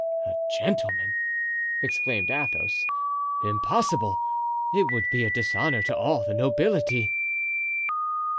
"A gentleman!" exclaimed Athos. "Impossible! It would be a dishonor to all the nobility."